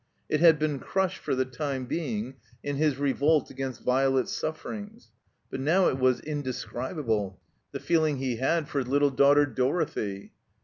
It had been crushed for the time being in his revolt against Violet's sufferings. But now it was indescribable, the feeling he had for his little daughter Dorothy.